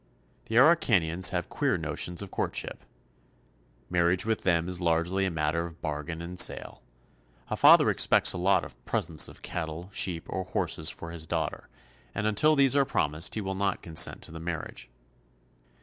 The Araucanians have queer notions of courtship. Marriage with them is largely a matter of bargain and sale. A father expects a lot of presents of cattle, sheep, or horses for his daughter, and until these are promised he will not consent to the marriage.